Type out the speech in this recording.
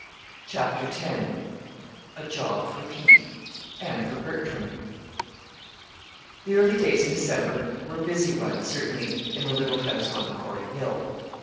CHAPTER X A JOB FOR PETE AND FOR BERTRAM The early days in December were busy ones, certainly, in the little house on Corey Hill.